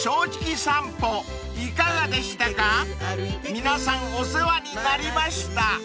［皆さんお世話になりました］